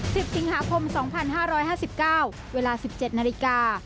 ๑๐สิงหาคม๒๕๕๙เวลา๑๗นาฬิกา